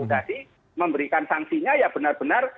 jadi memberikan sanksinya ya benar benar